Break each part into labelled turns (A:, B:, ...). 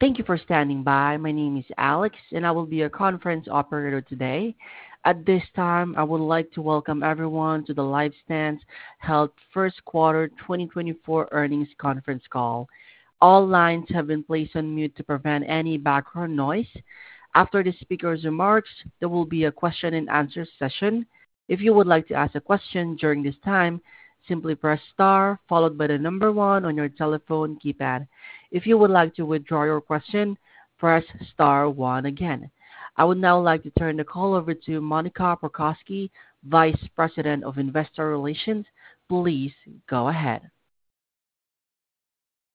A: Thank you for standing by. My name is Alex, and I will be your conference operator today. At this time, I would like to welcome everyone to the LifeStance Health First Quarter 2024 Earnings Conference call. All lines have been placed on mute to prevent any background noise. After the speaker's remarks, there will be a question-and-answer session. If you would like to ask a question during this time, simply press star followed by the number one on your telephone keypad. If you would like to withdraw your question, press star one again. I would now like to turn the call over to Monica Prokocki, Vice President of Investor Relations. Please go ahead.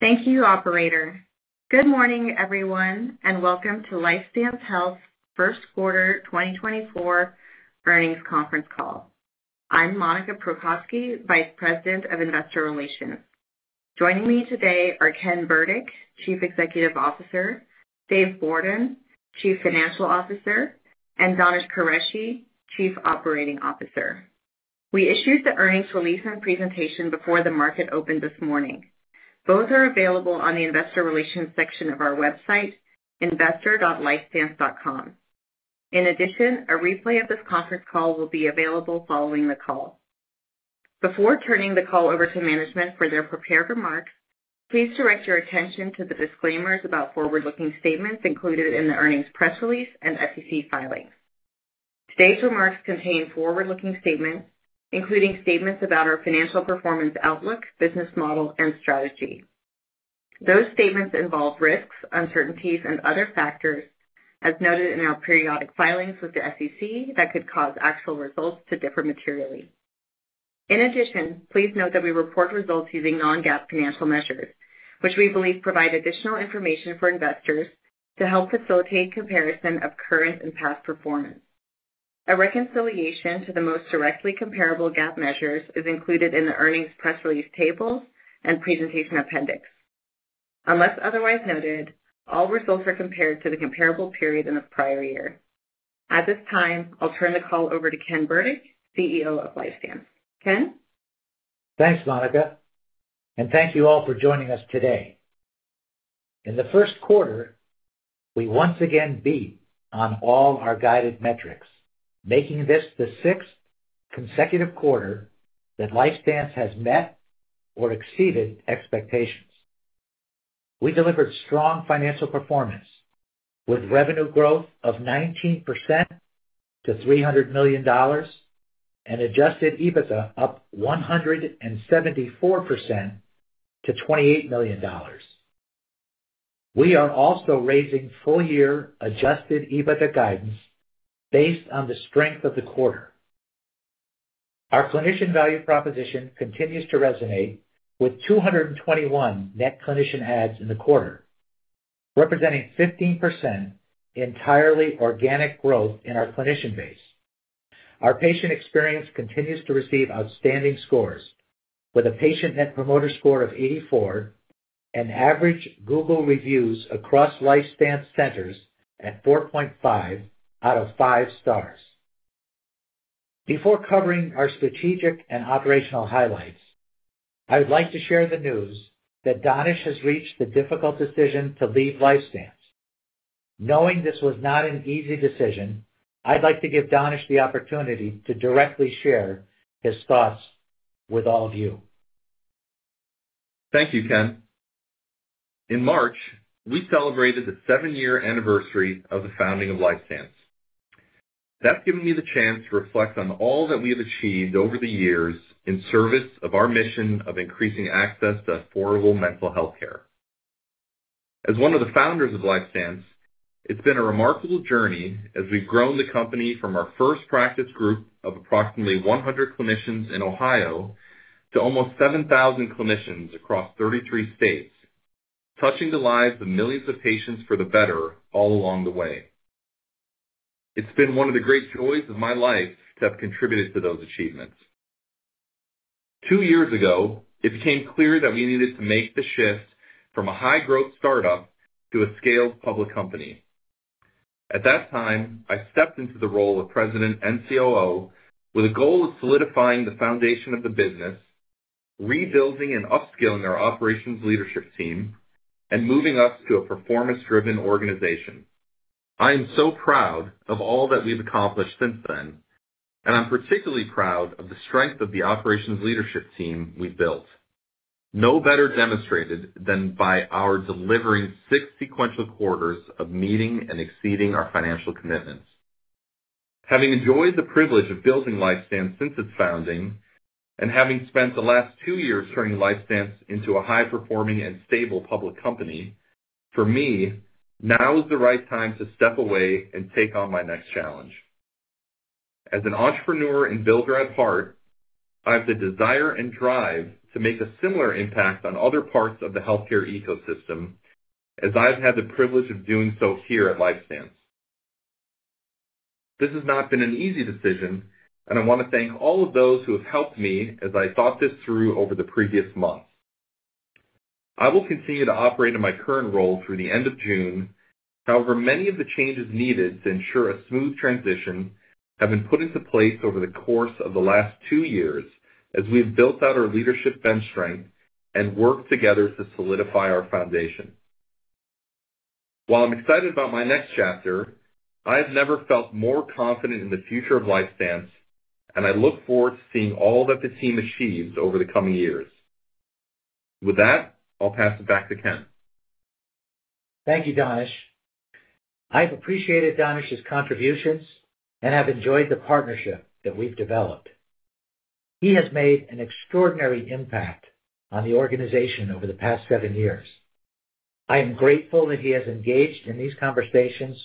B: Thank you, operator. Good morning, everyone, and welcome to LifeStance Health First Quarter 2024 Earnings Conference call. I'm Monica Prokocki, Vice President of Investor Relations. Joining me today are Ken Burdick, Chief Executive Officer, Dave Bourdon, Chief Financial Officer, and Danish Qureshi, Chief Operating Officer. We issued the earnings release and presentation before the market opened this morning. Both are available on the Investor Relations section of our website, investor.lifestance.com. In addition, a replay of this conference call will be available following the call. Before turning the call over to management for their prepared remarks, please direct your attention to the disclaimers about forward-looking statements included in the earnings press release and SEC filings. Today's remarks contain forward-looking statements, including statements about our financial performance outlook, business model, and strategy. Those statements involve risks, uncertainties, and other factors, as noted in our periodic filings with the SEC, that could cause actual results to differ materially. In addition, please note that we report results using non-GAAP financial measures, which we believe provide additional information for investors to help facilitate comparison of current and past performance. A reconciliation to the most directly comparable GAAP measures is included in the earnings press release tables and presentation appendix. Unless otherwise noted, all results are compared to the comparable period in the prior year. At this time, I'll turn the call over to Ken Burdick, CEO of LifeStance. Ken?
C: Thanks, Monica. And thank you all for joining us today. In the first quarter, we once again beat on all our guided metrics, making this the sixth consecutive quarter that LifeStance has met or exceeded expectations. We delivered strong financial performance, with revenue growth of 19% to $300 million and adjusted EBITDA up 174% to $28 million. We are also raising full-year adjusted EBITDA guidance based on the strength of the quarter. Our clinician value proposition continues to resonate with 221 net clinician adds in the quarter, representing 15% entirely organic growth in our clinician base. Our patient experience continues to receive outstanding scores, with a patient Net Promoter Score of 84 and average Google reviews across LifeStance centers at 4.5 out of 5 stars. Before covering our strategic and operational highlights, I would like to share the news that Danish has reached the difficult decision to leave LifeStance. Knowing this was not an easy decision, I'd like to give Danish the opportunity to directly share his thoughts with all of you.
D: Thank you, Ken. In March, we celebrated the seven-year anniversary of the founding of LifeStance. That's given me the chance to reflect on all that we have achieved over the years in service of our mission of increasing access to affordable mental health care. As one of the founders of LifeStance, it's been a remarkable journey as we've grown the company from our first practice group of approximately 100 clinicians in Ohio to almost 7,000 clinicians across 33 states, touching the lives of millions of patients for the better all along the way. It's been one of the great joys of my life to have contributed to those achievements. Two years ago, it became clear that we needed to make the shift from a high-growth startup to a scaled public company. At that time, I stepped into the role of President and COO with a goal of solidifying the foundation of the business, rebuilding and upskilling our operations leadership team, and moving us to a performance-driven organization. I am so proud of all that we've accomplished since then, and I'm particularly proud of the strength of the operations leadership team we've built. No better demonstrated than by our delivering six sequential quarters of meeting and exceeding our financial commitments. Having enjoyed the privilege of building LifeStance since its founding and having spent the last two years turning LifeStance into a high-performing and stable public company, for me, now is the right time to step away and take on my next challenge. As an entrepreneur and builder at heart, I have the desire and drive to make a similar impact on other parts of the healthcare ecosystem as I've had the privilege of doing so here at LifeStance. This has not been an easy decision, and I want to thank all of those who have helped me as I thought this through over the previous months. I will continue to operate in my current role through the end of June. However, many of the changes needed to ensure a smooth transition have been put into place over the course of the last two years as we've built out our leadership bench strength and worked together to solidify our foundation. While I'm excited about my next chapter, I have never felt more confident in the future of LifeStance, and I look forward to seeing all that the team achieves over the coming years. With that, I'll pass it back to Ken.
C: Thank you, Danish. I have appreciated Danish's contributions and have enjoyed the partnership that we've developed. He has made an extraordinary impact on the organization over the past seven years. I am grateful that he has engaged in these conversations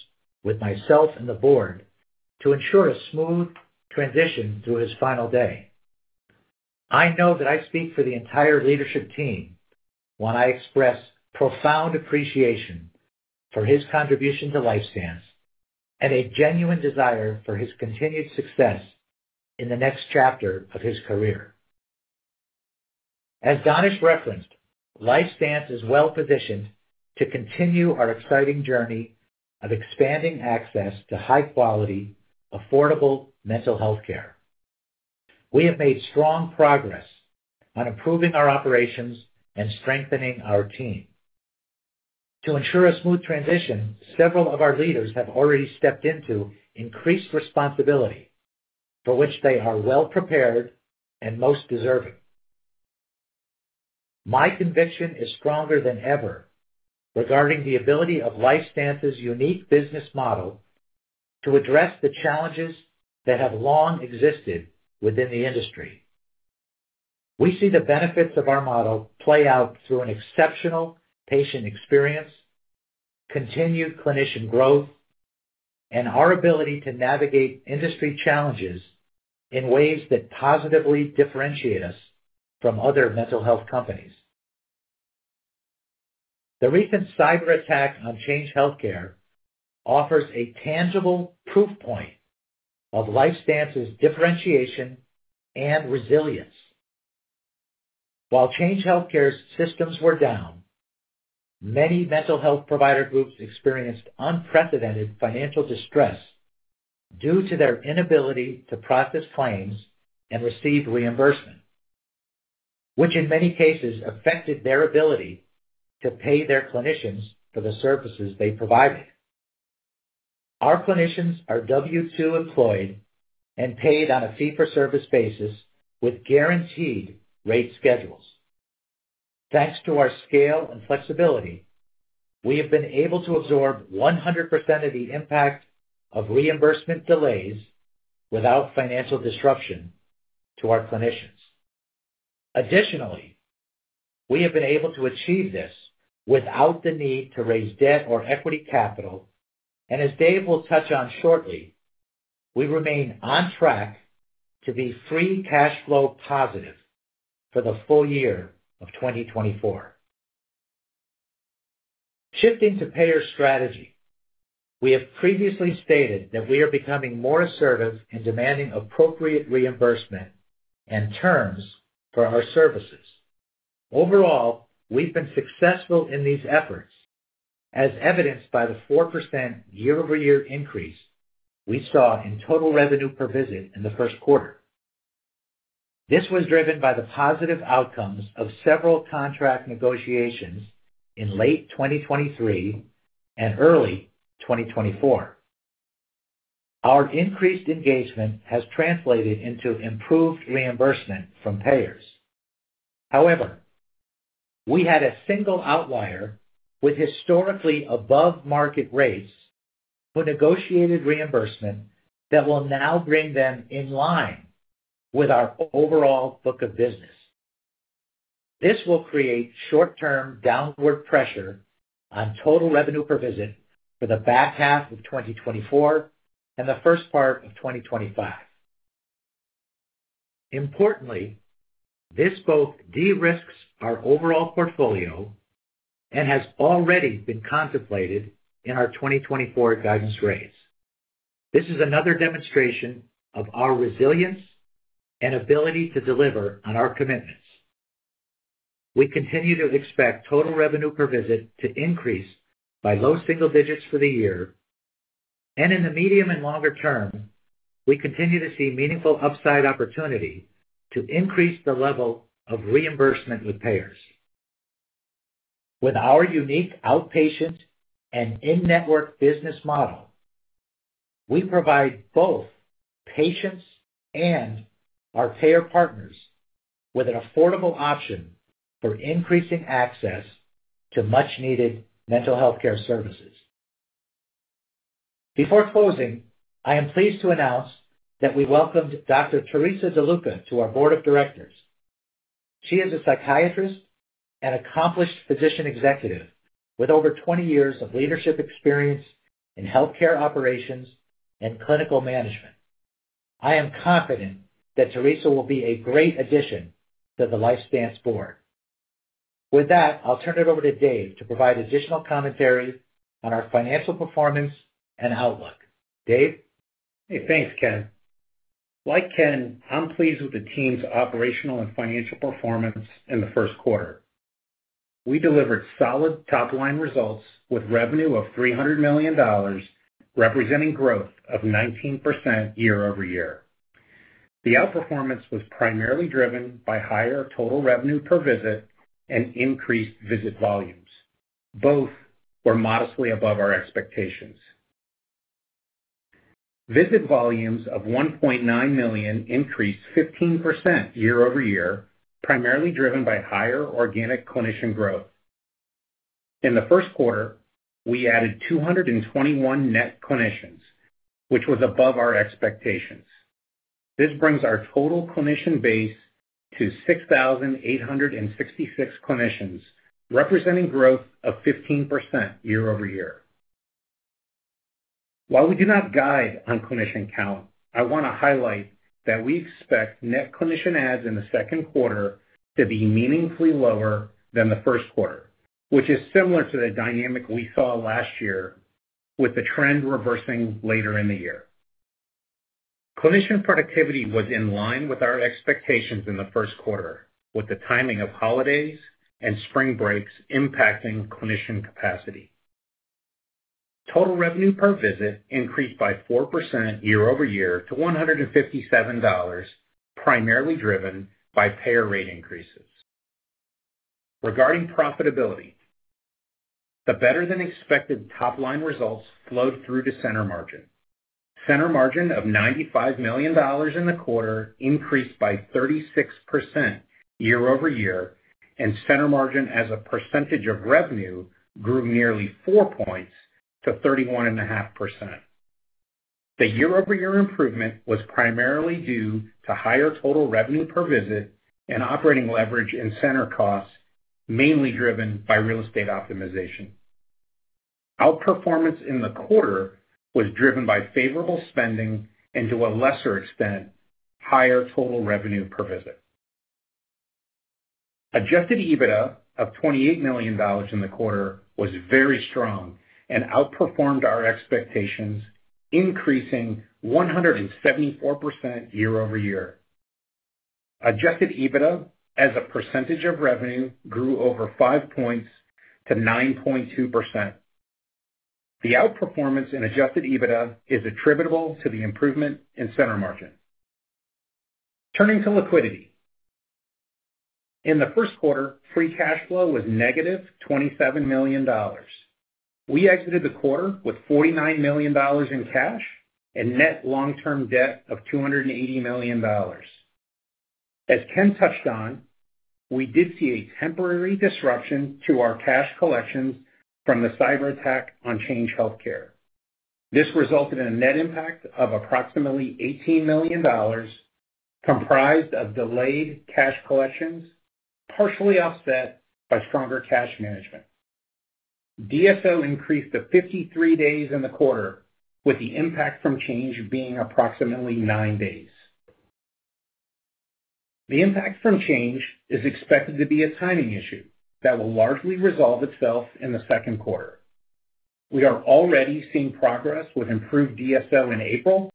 C: with myself and the board to ensure a smooth transition through his final day. I know that I speak for the entire leadership team when I express profound appreciation for his contribution to LifeStance and a genuine desire for his continued success in the next chapter of his career. As Danish referenced, LifeStance is well-positioned to continue our exciting journey of expanding access to high-quality, affordable mental health care. We have made strong progress on improving our operations and strengthening our team. To ensure a smooth transition, several of our leaders have already stepped into increased responsibility for which they are well-prepared and most deserving. My conviction is stronger than ever regarding the ability of LifeStance's unique business model to address the challenges that have long existed within the industry. We see the benefits of our model play out through an exceptional patient experience, continued clinician growth, and our ability to navigate industry challenges in ways that positively differentiate us from other mental health companies. The recent cyberattack on Change Healthcare offers a tangible proof point of LifeStance's differentiation and resilience. While Change Healthcare's systems were down, many mental health provider groups experienced unprecedented financial distress due to their inability to process claims and receive reimbursement, which in many cases affected their ability to pay their clinicians for the services they provided. Our clinicians are W-2 employed and paid on a fee-for-service basis with guaranteed rate schedules. Thanks to our scale and flexibility, we have been able to absorb 100% of the impact of reimbursement delays without financial disruption to our clinicians. Additionally, we have been able to achieve this without the need to raise debt or equity capital, and as Dave will touch on shortly, we remain on track to be free cash flow positive for the full year of 2024. Shifting to payer strategy, we have previously stated that we are becoming more assertive in demanding appropriate reimbursement and terms for our services. Overall, we've been successful in these efforts, as evidenced by the 4% year-over-year increase we saw in total revenue per visit in the first quarter. This was driven by the positive outcomes of several contract negotiations in late 2023 and early 2024. Our increased engagement has translated into improved reimbursement from payers. However, we had a single outlier with historically above-market rates who negotiated reimbursement that will now bring them in line with our overall book of business. This will create short-term downward pressure on total revenue per visit for the back half of 2024 and the first part of 2025. Importantly, this both de-risks our overall portfolio and has already been contemplated in our 2024 guidance raise. This is another demonstration of our resilience and ability to deliver on our commitments. We continue to expect total revenue per visit to increase by low single digits for the year, and in the medium and longer term, we continue to see meaningful upside opportunity to increase the level of reimbursement with payers. With our unique outpatient and in-network business model, we provide both patients and our payer partners with an affordable option for increasing access to much-needed mental health care services. Before closing, I am pleased to announce that we welcomed Dr. Theresa DeLuca to our board of directors. She is a psychiatrist and accomplished physician executive with over 20 years of leadership experience in healthcare operations and clinical management. I am confident that Theresa will be a great addition to the LifeStance board. With that, I'll turn it over to Dave to provide additional commentary on our financial performance and outlook. Dave?
E: Hey, thanks, Ken. Like Ken, I'm pleased with the team's operational and financial performance in the first quarter. We delivered solid top-line results with revenue of $300 million, representing growth of 19% year-over-year. The outperformance was primarily driven by higher total revenue per visit and increased visit volumes. Both were modestly above our expectations. Visit volumes of 1.9 million increased 15% year-over-year, primarily driven by higher organic clinician growth. In the first quarter, we added 221 net clinicians, which was above our expectations. This brings our total clinician base to 6,866 clinicians, representing growth of 15% year-over-year. While we do not guide on clinician count, I want to highlight that we expect net clinician adds in the second quarter to be meaningfully lower than the first quarter, which is similar to the dynamic we saw last year with the trend reversing later in the year. Clinician productivity was in line with our expectations in the first quarter, with the timing of holidays and spring breaks impacting clinician capacity. Total revenue per visit increased by 4% year-over-year to $157, primarily driven by payer rate increases. Regarding profitability, the better-than-expected top-line results flowed through to center margin. Center margin of $95 million in the quarter increased by 36% year-over-year, and center margin as a percentage of revenue grew nearly four points to 31.5%. The year-over-year improvement was primarily due to higher total revenue per visit and operating leverage in center costs, mainly driven by real estate optimization. Outperformance in the quarter was driven by favorable spending and, to a lesser extent, higher total revenue per visit. Adjusted EBITDA of $28 million in the quarter was very strong and outperformed our expectations, increasing 174% year-over-year. Adjusted EBITDA as a percentage of revenue grew over five points to 9.2%. The outperformance in adjusted EBITDA is attributable to the improvement in Center Margin. Turning to liquidity, in the first quarter, Free Cash Flow was negative $27 million. We exited the quarter with $49 million in cash and net long-term debt of $280 million. As Ken touched on, we did see a temporary disruption to our cash collections from the cyberattack on Change Healthcare. This resulted in a net impact of approximately $18 million, comprised of delayed cash collections partially offset by stronger cash management. DSO increased to 53 days in the quarter, with the impact from Change being approximately nine days. The impact from Change is expected to be a timing issue that will largely resolve itself in the second quarter. We are already seeing progress with improved DSO in April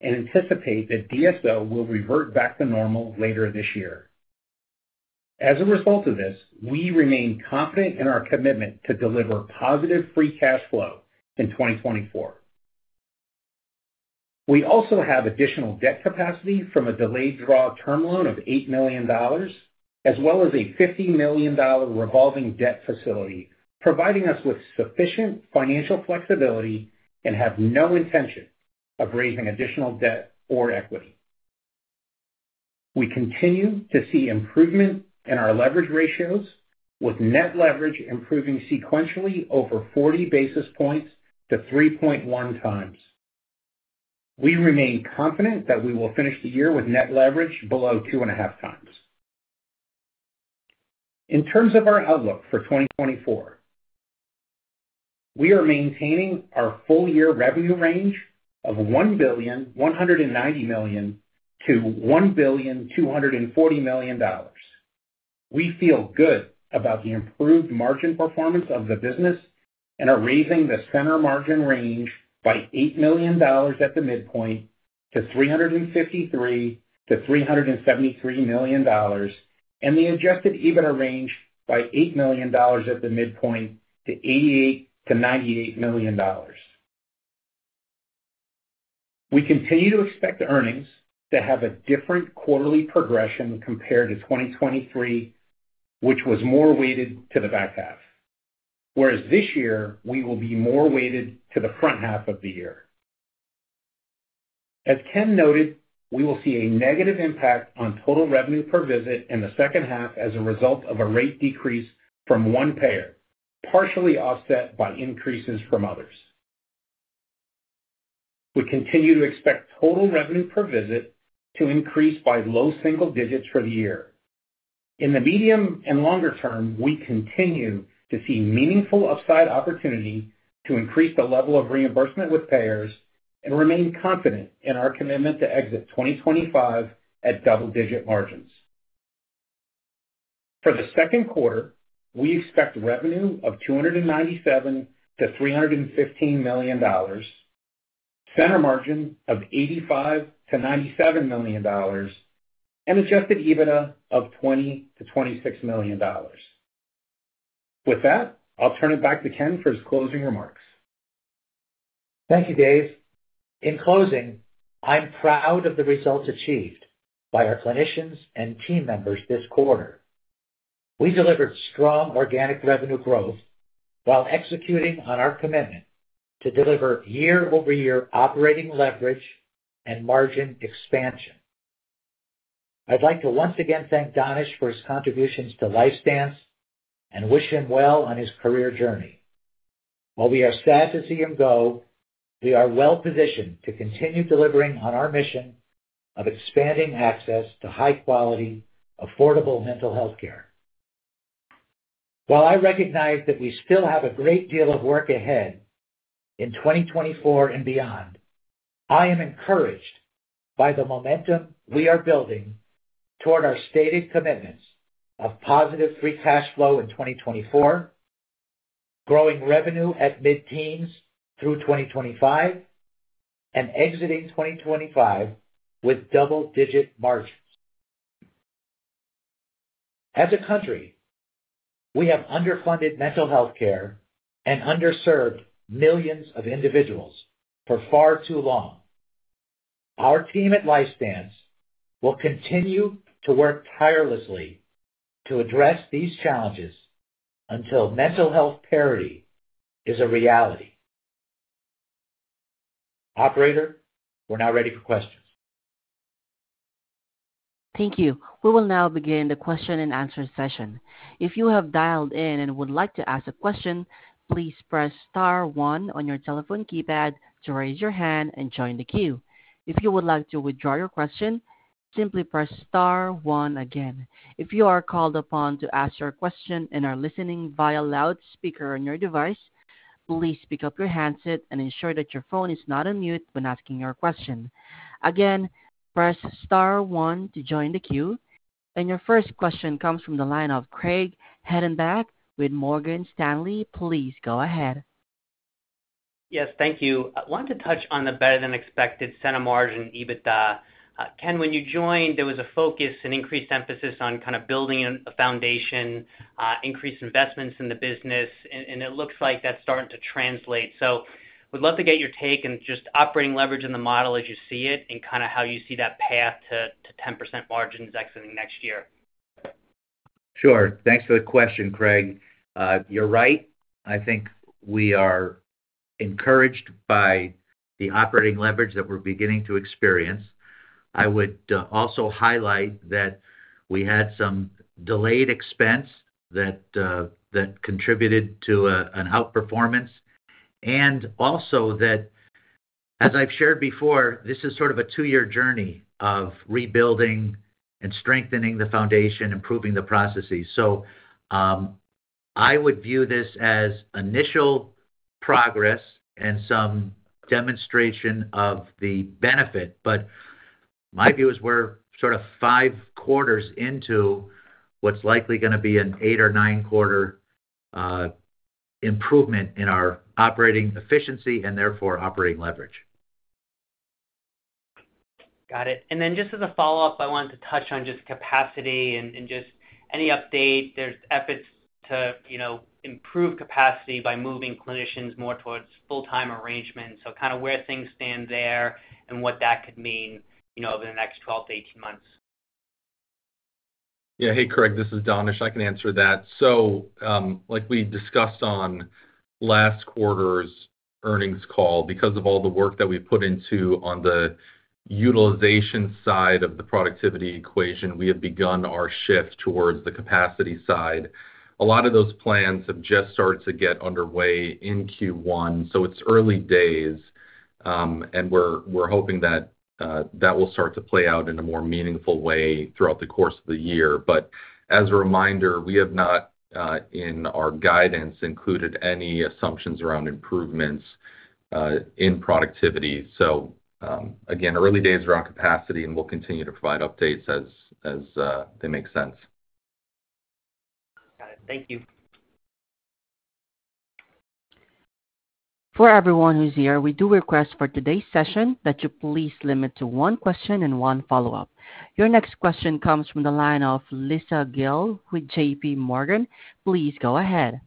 E: and anticipate that DSO will revert back to normal later this year. As a result of this, we remain confident in our commitment to deliver positive free cash flow in 2024. We also have additional debt capacity from a delayed draw term loan of $8 million, as well as a $50 million revolving debt facility, providing us with sufficient financial flexibility, and have no intention of raising additional debt or equity. We continue to see improvement in our leverage ratios, with net leverage improving sequentially over 40 basis points to 3.1x. We remain confident that we will finish the year with net leverage below 2.5x. In terms of our outlook for 2024, we are maintaining our full-year revenue range of $1,190 million-$1,240 million. We feel good about the improved margin performance of the business and are raising the Center Margin range by $8 million at the midpoint to $353 million-$373 million, and the adjusted EBITDA range by $8 million at the midpoint to $88 million-$98 million. We continue to expect earnings to have a different quarterly progression compared to 2023, which was more weighted to the back half, whereas this year we will be more weighted to the front half of the year. As Ken noted, we will see a negative impact on total revenue per visit in the second half as a result of a rate decrease from one payer, partially offset by increases from others. We continue to expect total revenue per visit to increase by low single digits for the year. In the medium and longer term, we continue to see meaningful upside opportunity to increase the level of reimbursement with payers and remain confident in our commitment to exit 2025 at double-digit margins. For the second quarter, we expect revenue of $297 million-$315 million, Center Margin of $85 million-$97 million, and adjusted EBITDA of $20 million-$26 million. With that, I'll turn it back to Ken for his closing remarks.
C: Thank you, Dave. In closing, I'm proud of the results achieved by our clinicians and team members this quarter. We delivered strong organic revenue growth while executing on our commitment to deliver year-over-year operating leverage and margin expansion. I'd like to once again thank Danish for his contributions to LifeStance and wish him well on his career journey. While we are sad to see him go, we are well-positioned to continue delivering on our mission of expanding access to high-quality, affordable mental health care. While I recognize that we still have a great deal of work ahead in 2024 and beyond, I am encouraged by the momentum we are building toward our stated commitments of positive free cash flow in 2024, growing revenue at mid-teens through 2025, and exiting 2025 with double-digit margins. As a country, we have underfunded mental health care and underserved millions of individuals for far too long. Our team at LifeStance will continue to work tirelessly to address these challenges until mental health parity is a reality. Operator, we're now ready for questions.
A: Thank you. We will now begin the question-and-answer session. If you have dialed in and would like to ask a question, please press star one on your telephone keypad to raise your hand and join the queue. If you would like to withdraw your question, simply press star one again. If you are called upon to ask your question and are listening via loudspeaker on your device, please pick up your handset and ensure that your phone is not on mute when asking your question. Again, press star one to join the queue. Your first question comes from the line of Craig Hettenbach with Morgan Stanley. Please go ahead.
F: Yes, thank you. I wanted to touch on the better-than-expected Center Margin EBITDA. Ken, when you joined, there was a focus and increased emphasis on kind of building a foundation, increased investments in the business, and it looks like that's starting to translate. So we'd love to get your take and just operating leverage in the model as you see it and kind of how you see that path to 10% margins exiting next year.
C: Sure. Thanks for the question, Craig. You're right. I think we are encouraged by the operating leverage that we're beginning to experience. I would also highlight that we had some delayed expense that contributed to an outperformance and also that, as I've shared before, this is sort of a two-year journey of rebuilding and strengthening the foundation, improving the processes. So I would view this as initial progress and some demonstration of the benefit. But my view is we're sort of five quarters into what's likely going to be an eight or nine-quarter improvement in our operating efficiency and, therefore, operating leverage.
F: Got it. And then just as a follow-up, I wanted to touch on just capacity and just any update. There's efforts to improve capacity by moving clinicians more towards full-time arrangements. So kind of where things stand there and what that could mean over the next 12-18 months.
D: Yeah. Hey, Craig. This is Danish. I can answer that. So like we discussed on last quarter's earnings call, because of all the work that we've put into on the utilization side of the productivity equation, we have begun our shift towards the capacity side. A lot of those plans have just started to get underway in Q1, so it's early days, and we're hoping that that will start to play out in a more meaningful way throughout the course of the year. But as a reminder, we have not, in our guidance, included any assumptions around improvements in productivity. So again, early days around capacity, and we'll continue to provide updates as they make sense.
F: Got it. Thank you.
A: For everyone who's here, we do request for today's session that you please limit to one question and one follow-up. Your next question comes from the line of Lisa Gill with JPMorgan. Please go ahead.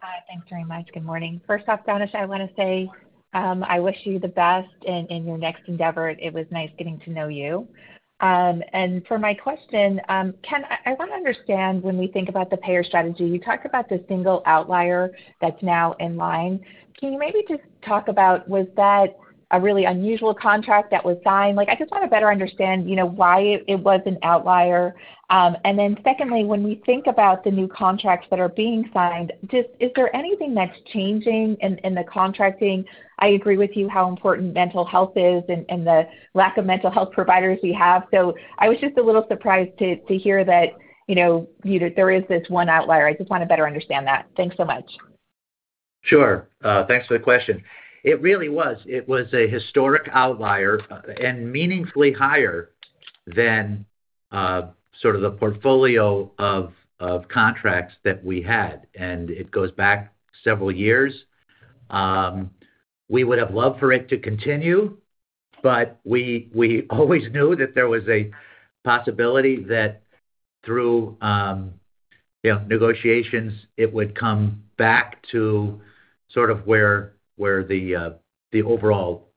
G: Hi. Thanks very much. Good morning. First off, Danish, I want to say I wish you the best in your next endeavor. It was nice getting to know you. And for my question, Ken, I want to understand when we think about the payer strategy, you talked about the single outlier that's now in line. Can you maybe just talk about, was that a really unusual contract that was signed? I just want to better understand why it was an outlier. And then secondly, when we think about the new contracts that are being signed, is there anything that's changing in the contracting? I agree with you how important mental health is and the lack of mental health providers we have. So I was just a little surprised to hear that there is this one outlier. I just want to better understand that. Thanks so much.
C: Sure. Thanks for the question. It really was. It was a historic outlier and meaningfully higher than sort of the portfolio of contracts that we had. And it goes back several years. We would have loved for it to continue, but we always knew that there was a possibility that through negotiations, it would come back to sort of where the overall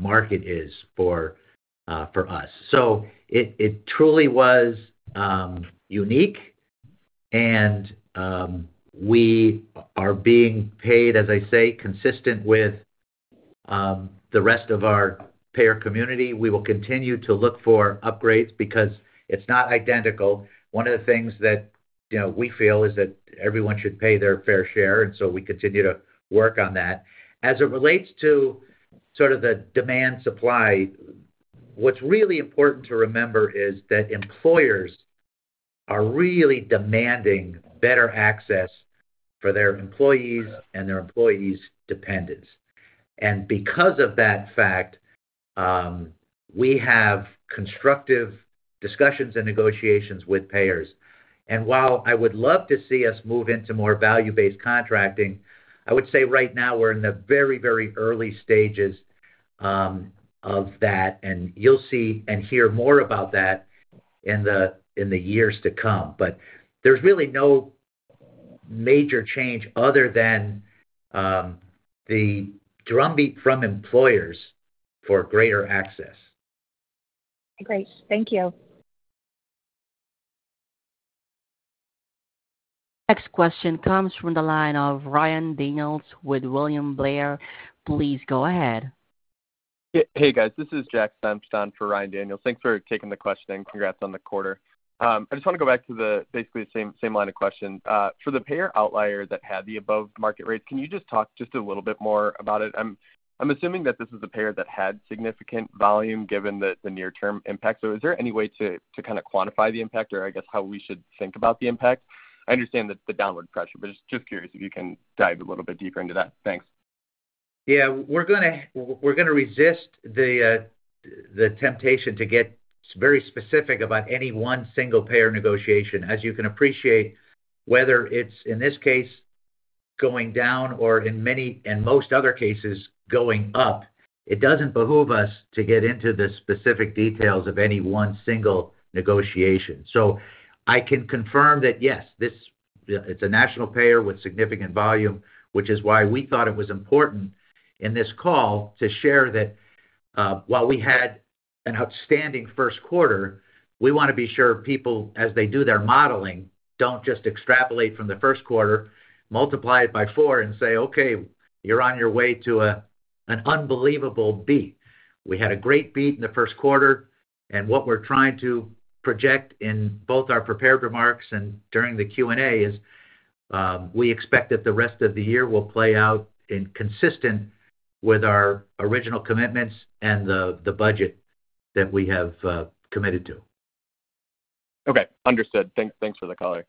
C: market is for us. So it truly was unique, and we are being paid, as I say, consistent with the rest of our payer community. We will continue to look for upgrades because it's not identical. One of the things that we feel is that everyone should pay their fair share, and so we continue to work on that. As it relates to sort of the demand-supply, what's really important to remember is that employers are really demanding better access for their employees and their employees' dependents. Because of that fact, we have constructive discussions and negotiations with payers. While I would love to see us move into more value-based contracting, I would say right now we're in the very, very early stages of that, and you'll see and hear more about that in the years to come. There's really no major change other than the drumbeat from employers for greater access.
G: Great. Thank you.
A: Next question comes from the line of Ryan Daniels with William Blair. Please go ahead.
H: Hey, guys. This is Jack Senft for Ryan Daniels. Thanks for taking the question, and congrats on the quarter. I just want to go back to basically the same line of question. For the payer outlier that had the above market rates, can you just talk just a little bit more about it? I'm assuming that this is a payer that had significant volume given the near-term impact. So is there any way to kind of quantify the impact or, I guess, how we should think about the impact? I understand the downward pressure, but just curious if you can dive a little bit deeper into that. Thanks.
C: Yeah. We're going to resist the temptation to get very specific about any one single payer negotiation. As you can appreciate, whether it's, in this case, going down or in most other cases, going up, it doesn't behoove us to get into the specific details of any one single negotiation. So I can confirm that, yes, it's a national payer with significant volume, which is why we thought it was important in this call to share that while we had an outstanding first quarter, we want to be sure people, as they do their modeling, don't just extrapolate from the first quarter, multiply it by four, and say, "Okay, you're on your way to an unbelievable beat." We had a great beat in the first quarter, and what we're trying to project in both our prepared remarks and during the Q&A is we expect that the rest of the year will play out consistent with our original commitments and the budget that we have committed to.
H: Okay. Understood. Thanks for the call.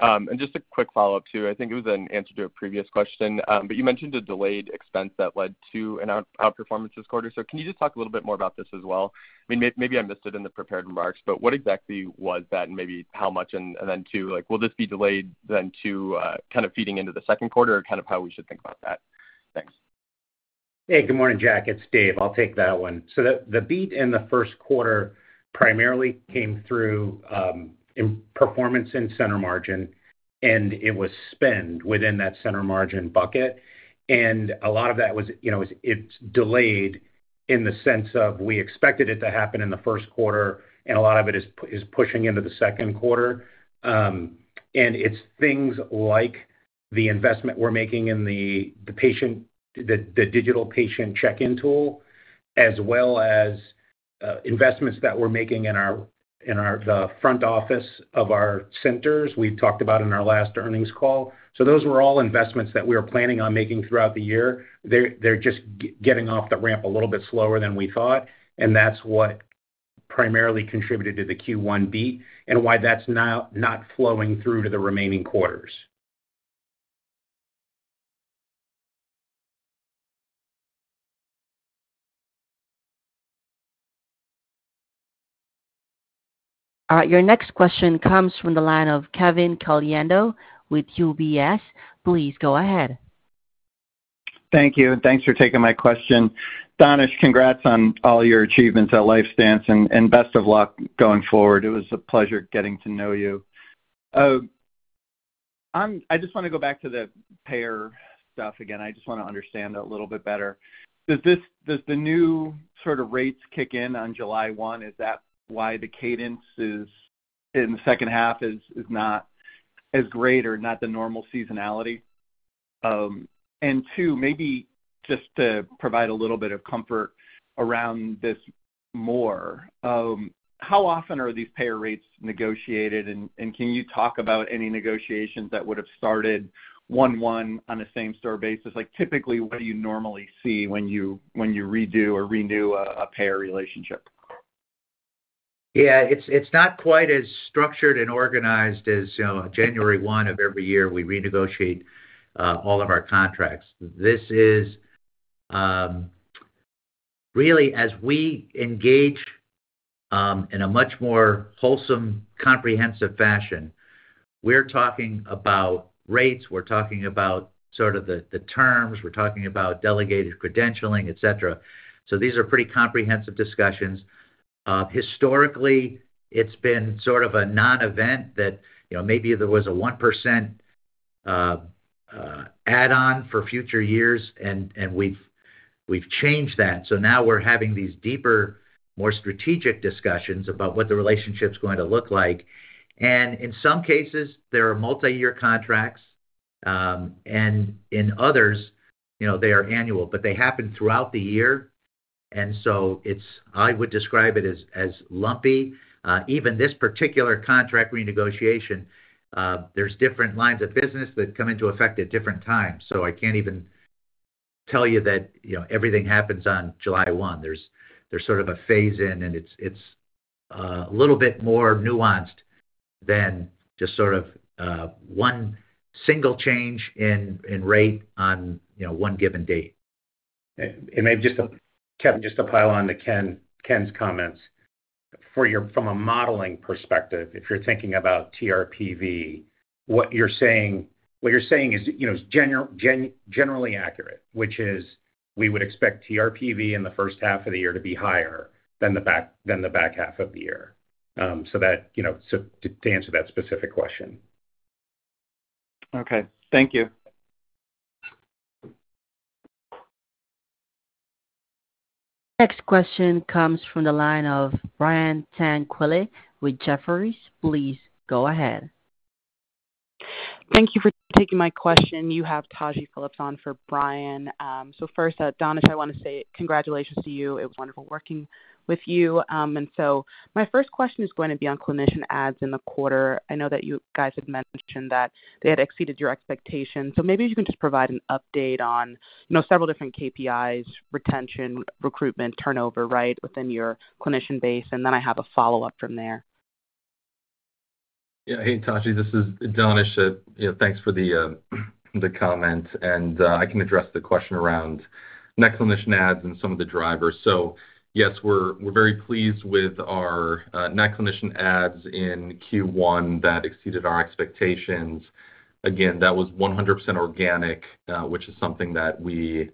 H: And just a quick follow-up, too. I think it was an answer to a previous question, but you mentioned a delayed expense that led to an outperformance this quarter. So can you just talk a little bit more about this as well? I mean, maybe I missed it in the prepared remarks, but what exactly was that and maybe how much? And then too, will this be delayed then to kind of feeding into the second quarter or kind of how we should think about that? Thanks.
E: Hey, good morning, Jack. It's Dave. I'll take that one. So the beat in the first quarter primarily came through performance in Center Margin, and it was spend within that Center Margin bucket. A lot of that was it's delayed in the sense of we expected it to happen in the first quarter, and a lot of it is pushing into the second quarter. It's things like the investment we're making in the digital patient check-in tool as well as investments that we're making in the front office of our centers we've talked about in our last earnings call. So those were all investments that we were planning on making throughout the year. They're just getting off the ramp a little bit slower than we thought, and that's what primarily contributed to the Q1 beat and why that's now not flowing through to the remaining quarters.
A: Your next question comes from the line of Kevin Caliendo with UBS. Please go ahead.
I: Thank you. Thanks for taking my question. Danish, congrats on all your achievements at LifeStance, and best of luck going forward. It was a pleasure getting to know you. I just want to go back to the payer stuff again. I just want to understand it a little bit better. Does the new sort of rates kick in on July 1? Is that why the cadence in the second half is not as great or not the normal seasonality? And two, maybe just to provide a little bit of comfort around this more, how often are these payer rates negotiated, and can you talk about any negotiations that would have started one-to-one on a same-store basis? Typically, what do you normally see when you redo or renew a payer relationship?
C: Yeah. It's not quite as structured and organized as January 1 of every year we renegotiate all of our contracts. This is really as we engage in a much more wholesome, comprehensive fashion. We're talking about rates. We're talking about sort of the terms. We're talking about delegated credentialing, etc. So these are pretty comprehensive discussions. Historically, it's been sort of a non-event that maybe there was a 1% add-on for future years, and we've changed that. So now we're having these deeper, more strategic discussions about what the relationship's going to look like. And in some cases, there are multi-year contracts, and in others, they are annual, but they happen throughout the year. And so I would describe it as lumpy. Even this particular contract renegotiation, there's different lines of business that come into effect at different times. So I can't even tell you that everything happens on July 1. There's sort of a phase in, and it's a little bit more nuanced than just sort of one single change in rate on one given date.
D: And maybe just, Kevin, just to pile on to Ken's comments, from a modeling perspective, if you're thinking about TRPV, what you're saying is generally accurate, which is we would expect TRPV in the first half of the year to be higher than the back half of the year. So to answer that specific question.
I: Okay. Thank you.
A: Next question comes from the line of Brian Tanquilut with Jefferies. Please go ahead.
J: Thank you for taking my question. You have Taji Phillips on for Brian. So first, Danish, I want to say congratulations to you. It was wonderful working with you. And so my first question is going to be on clinician adds in the quarter. I know that you guys had mentioned that they had exceeded your expectations. So maybe if you can just provide an update on several different KPIs: retention, recruitment, turnover, right, within your clinician base, and then I have a follow-up from there.
D: Yeah. Hey, Taji. This is Danish. Thanks for the comment. And I can address the question around net clinician ads and some of the drivers. So yes, we're very pleased with our net clinician ads in Q1 that exceeded our expectations. Again, that was 100% organic, which is something that we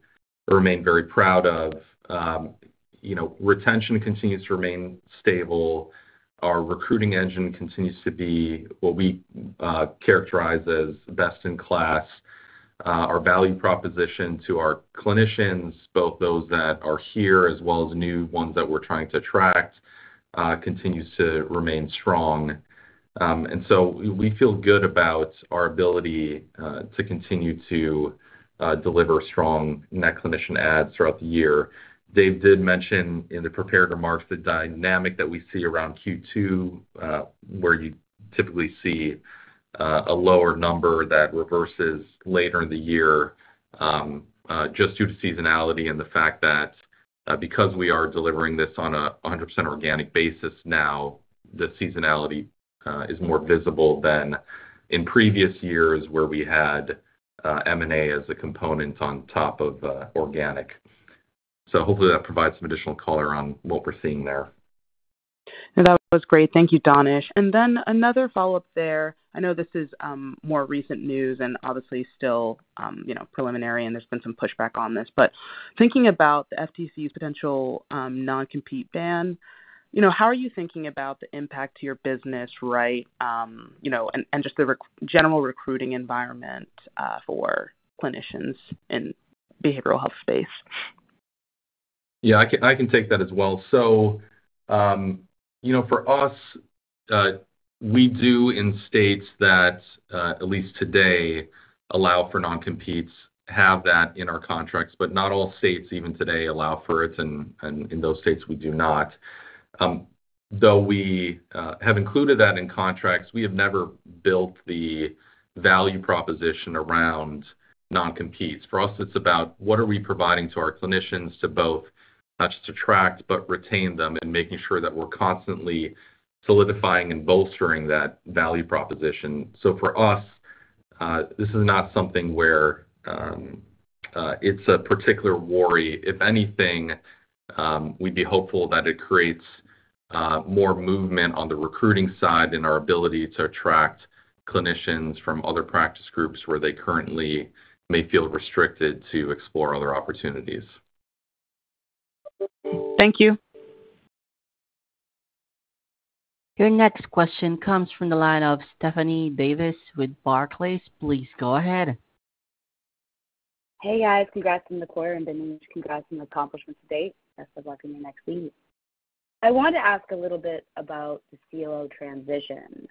D: remain very proud of. Retention continues to remain stable. Our recruiting engine continues to be what we characterize as best in class. Our value proposition to our clinicians, both those that are here as well as new ones that we're trying to attract, continues to remain strong. And so we feel good about our ability to continue to deliver strong net clinician ads throughout the year. Dave did mention in the prepared remarks the dynamic that we see around Q2, where you typically see a lower number that reverses later in the year just due to seasonality and the fact that because we are delivering this on a 100% organic basis now, the seasonality is more visible than in previous years where we had M&A as a component on top of organic. So hopefully, that provides some additional color on what we're seeing there.
J: That was great. Thank you, Danish. Then another follow-up there. I know this is more recent news and obviously still preliminary, and there's been some pushback on this. But thinking about the FTC's potential non-compete ban, how are you thinking about the impact to your business, right, and just the general recruiting environment for clinicians in the behavioral health space?
D: Yeah. I can take that as well. So for us, we do in states that, at least today, allow for non-competes, have that in our contracts. But not all states, even today, allow for it, and in those states, we do not. Though we have included that in contracts, we have never built the value proposition around non-competes. For us, it's about what are we providing to our clinicians to both not just attract but retain them and making sure that we're constantly solidifying and bolstering that value proposition. So for us, this is not something where it's a particular worry. If anything, we'd be hopeful that it creates more movement on the recruiting side in our ability to attract clinicians from other practice groups where they currently may feel restricted to explore other opportunities.
J: Thank you.
A: Your next question comes from the line of Stephanie Davis with Barclays. Please go ahead.
K: Hey, guys. Congrats on the quarter, and Danish, congrats on the accomplishments to date. Best of luck in your next week. I want to ask a little bit about the COO transition.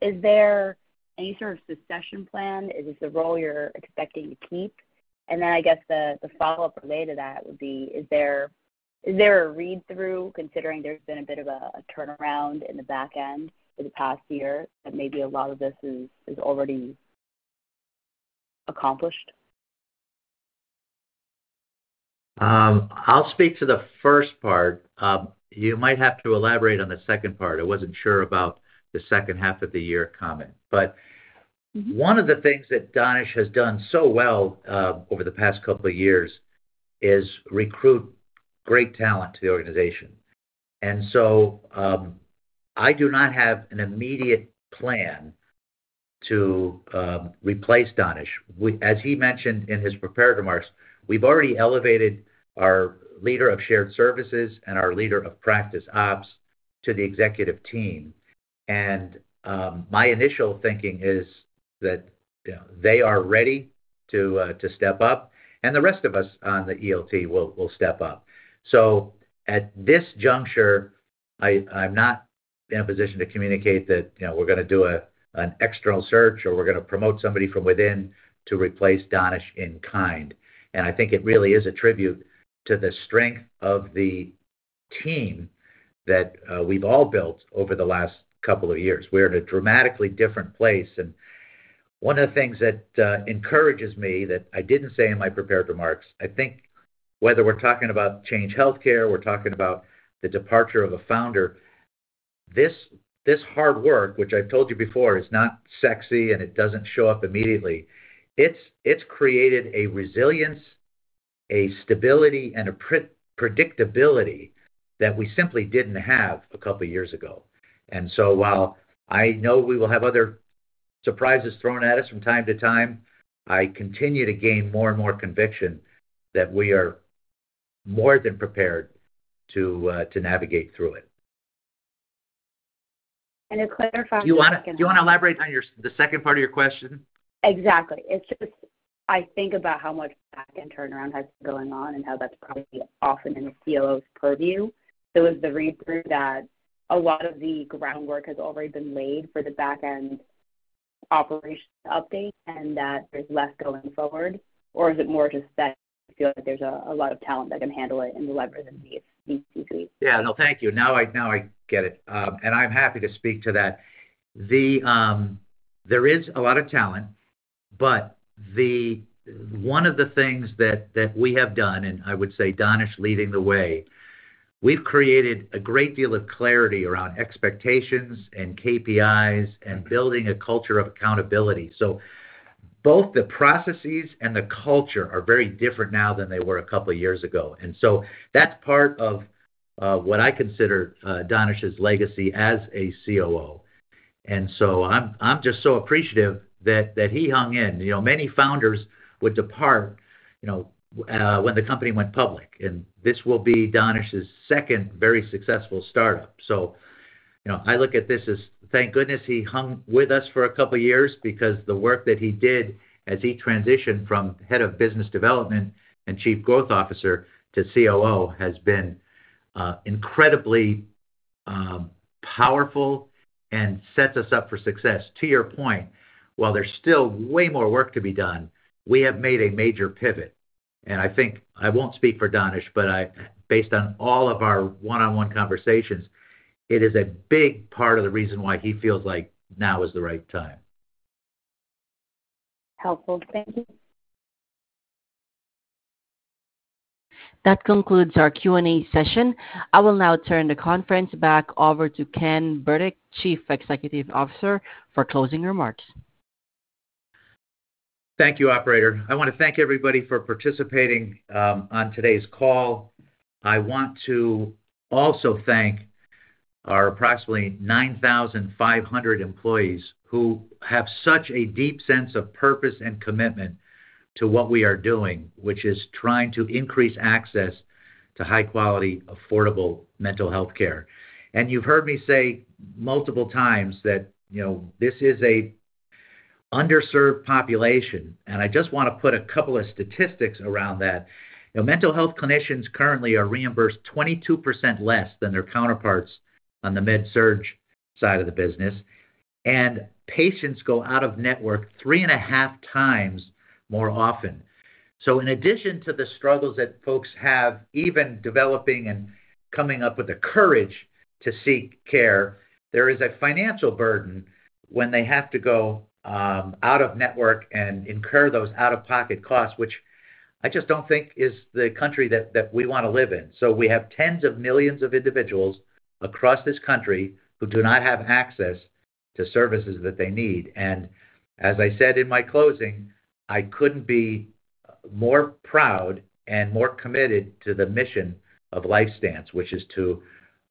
K: Is there any sort of succession plan? Is this a role you're expecting to keep? And then I guess the follow-up related to that would be, is there a read-through considering there's been a bit of a turnaround in the back end in the past year that maybe a lot of this is already accomplished?
C: I'll speak to the first part. You might have to elaborate on the second part. I wasn't sure about the second half of the year comment. But one of the things that Danish has done so well over the past couple of years is recruit great talent to the organization. And so I do not have an immediate plan to replace Danish. As he mentioned in his prepared remarks, we've already elevated our leader of shared services and our leader of practice ops to the executive team. And my initial thinking is that they are ready to step up, and the rest of us on the ELT will step up. So at this juncture, I'm not in a position to communicate that we're going to do an external search or we're going to promote somebody from within to replace Danish in kind. I think it really is a tribute to the strength of the team that we've all built over the last couple of years. We're in a dramatically different place. One of the things that encourages me that I didn't say in my prepared remarks, I think whether we're talking about Change Healthcare, we're talking about the departure of a founder, this hard work, which I've told you before is not sexy and it doesn't show up immediately, it's created a resilience, a stability, and a predictability that we simply didn't have a couple of years ago. So while I know we will have other surprises thrown at us from time to time, I continue to gain more and more conviction that we are more than prepared to navigate through it.
K: To clarify, can I?
C: Do you want to elaborate on the second part of your question?
K: Exactly. It's just I think about how much back-end turnaround has been going on and how that's probably often in the COO's purview. So is the read-through that a lot of the groundwork has already been laid for the back-end operation update and that there's less going forward, or is it more just that you feel like there's a lot of talent that can handle it and deliver in C-suite?
C: Yeah. No, thank you. Now I get it. And I'm happy to speak to that. There is a lot of talent, but one of the things that we have done, and I would say Danish leading the way, we've created a great deal of clarity around expectations and KPIs and building a culture of accountability. So both the processes and the culture are very different now than they were a couple of years ago. And so that's part of what I consider Danish's legacy as a COO. And so I'm just so appreciative that he hung in. Many founders would depart when the company went public, and this will be Danish's second very successful startup. So I look at this as thank goodness he hung with us for a couple of years because the work that he did as he transitioned from head of business development and chief growth officer to COO has been incredibly powerful and sets us up for success. To your point, while there's still way more work to be done, we have made a major pivot. I think I won't speak for Danish, but based on all of our one-on-one conversations, it is a big part of the reason why he feels like now is the right time.
K: Helpful. Thank you.
A: That concludes our Q&A session. I will now turn the conference back over to Ken Burdick, Chief Executive Officer, for closing remarks.
C: Thank you, operator. I want to thank everybody for participating on today's call. I want to also thank our approximately 9,500 employees who have such a deep sense of purpose and commitment to what we are doing, which is trying to increase access to high-quality, affordable mental healthcare. You've heard me say multiple times that this is an underserved population, and I just want to put a couple of statistics around that. Mental health clinicians currently are reimbursed 22% less than their counterparts on the med-surg side of the business, and patients go out of network three and a half times more often. So in addition to the struggles that folks have even developing and coming up with the courage to seek care, there is a financial burden when they have to go out of network and incur those out-of-pocket costs, which I just don't think is the country that we want to live in. We have tens of millions of individuals across this country who do not have access to services that they need. As I said in my closing, I couldn't be more proud and more committed to the mission of LifeStance, which is to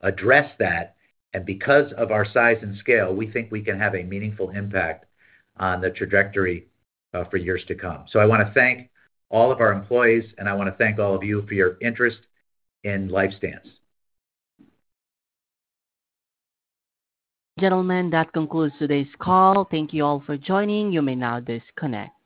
C: address that. Because of our size and scale, we think we can have a meaningful impact on the trajectory for years to come. I want to thank all of our employees, and I want to thank all of you for your interest in LifeStance.
A: Gentlemen, that concludes today's call. Thank you all for joining. You may now disconnect.